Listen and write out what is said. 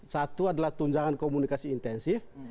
satu adalah tunjangan komunikasi intensif